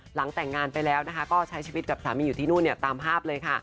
หลังแต่งงานไปแล้วนะคะก็ใช้ชีวิตกับสามีอยู่ที่นู่นเนี่ยตามภาพเลยค่ะ